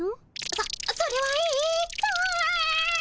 そそれはえとあ。